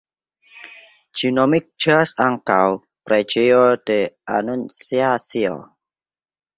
Ĝi nomiĝas ankaŭ "preĝejo de Anunciacio".